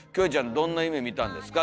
どんな夢見たんですか？